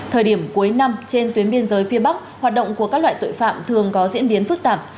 thời điểm cuối năm trên tuyến biên giới phía bắc hoạt động của các loại tội phạm thường có diễn biến phức tạp